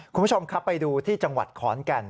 คุณผู้ชมครับไปดูที่จังหวัดขอนแก่น